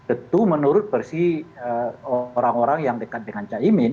itu menurut versi orang orang yang dekat dengan caimin